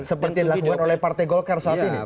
seperti yang dilakukan oleh partai golkar saat ini